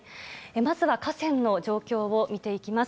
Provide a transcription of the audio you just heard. まずは河川の状況を見ていきます。